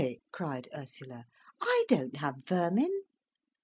cried Ursula. "I don't have vermin."